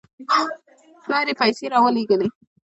پلار یې پیسې راولېږلې.